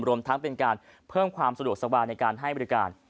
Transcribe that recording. รวมทั้งเป็นการเพิ่มความสะดวกสบายในการให้บริการ